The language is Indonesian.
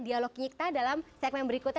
dialog kita dalam segmen berikutnya